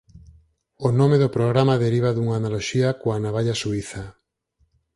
O nome do programa deriva dunha analoxía coa navalla suíza.